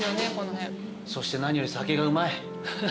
そして何より酒がうまい。